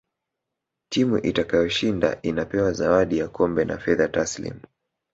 timu itakayoshinda inapewa zawadi ya kombe na fedha tasilimu